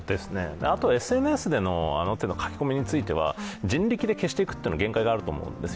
ＳＮＳでのあの手の書き込みについては人力に消していくのは限界があると思うんですよ。